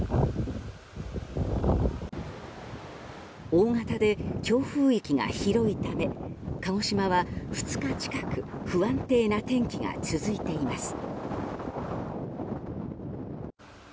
大型で強風域が広いため鹿児島は２日近く不安定な天気が続いています。